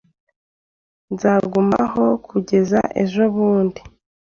Nzagumaho kugeza ejobundi.